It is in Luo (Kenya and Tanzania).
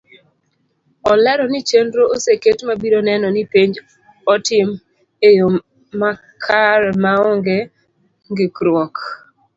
Olero ni chenro oseket mabiro neno ni penj otim eyo makre maonge ngikruok.